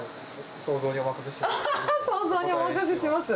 想像にお任せします。